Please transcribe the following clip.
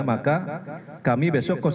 maka kami besok koordinasi